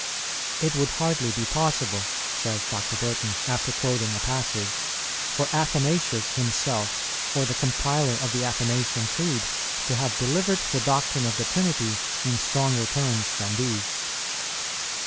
"It would hardly be possible," says Dr. Burton, after quoting a passage, "for Athanasius himself, or the compiler of the Athanasian Creed, to have delivered the doctrine of the Trinity in stronger terms than these."